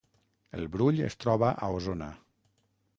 El Brull es troba a Osona